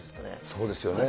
そうですよね。